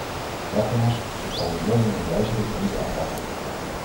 Nogmaals: ik kan de mondelinge wijziging niet aanvaarden!